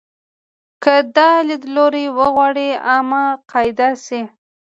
که دا لیدلوری وغواړي عامه قاعده شي.